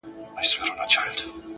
د ژوند رنګونه له لیدلوري بدلېږي